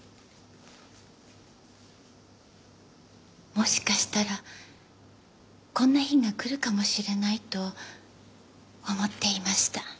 もしかしたらこんな日が来るかもしれないと思っていました。